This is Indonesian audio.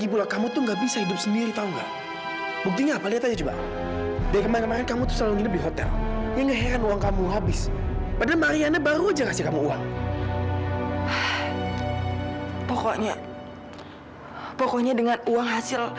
pokoknya dengan uang hasil